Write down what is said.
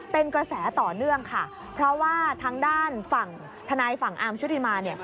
เป็นกระแสต่อเนื่องค่ะเพราะว่าทางด้านฝั่งทนายฝั่งอาร์มชุติมาเนี่ย